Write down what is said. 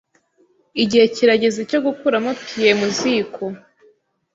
Igihe kirageze cyo gukuramo pie mu ziko.